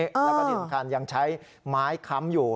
แล้วก็จริงยังใช้ไม้คล้ำอยู่